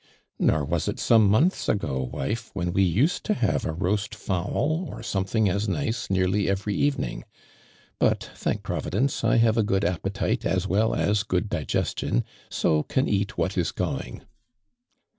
"Nor was it, some months ago, wife, when we used to have a roast fowl, or some thing as nice, nearly every evening. But, thank Providence, I have a good appetite afl well as good digestion, so can eat what is going."